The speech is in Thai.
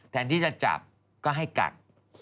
แทนที่จะจับก็ให้กัด